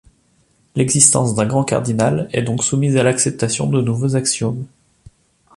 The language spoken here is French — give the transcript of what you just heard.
L'existence d'un grand cardinal est donc soumise à l'acceptation de nouveaux axiomes.